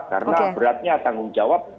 karena beratnya tanggung jawab